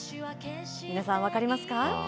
皆さん、分かりますか？